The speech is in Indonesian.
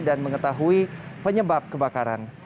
dan mengetahui penyebab kebakaran